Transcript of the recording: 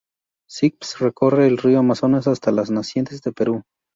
Spix recorre el río Amazonas hasta las nacientes de Perú.